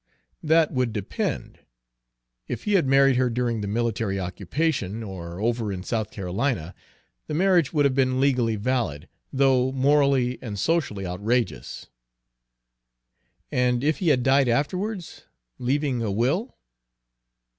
"That would depend. If he had married her during the military occupation, or over in South Carolina, the marriage would have been legally valid, though morally and socially outrageous." "And if he had died afterwards, leaving a will?"